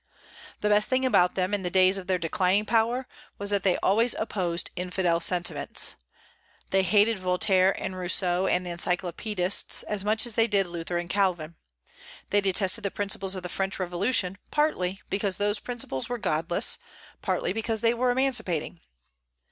The best thing about them, in the days of their declining power, was that they always opposed infidel sentiments. They hated Voltaire and Rousseau and the Encyclopedists as much as they did Luther and Calvin. They detested the principles of the French Revolution, partly because those principles were godless, partly because they were emancipating.